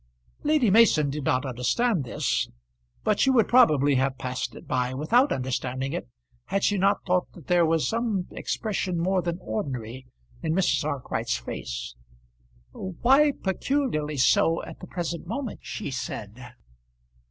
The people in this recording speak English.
Lady Mason did not understand this; but she would probably have passed it by without understanding it, had she not thought that there was some expression more than ordinary in Mrs. Arkwright's face. "Why peculiarly so at the present moment?" she said.